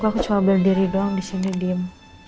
aku cuma berdiri doang disini diem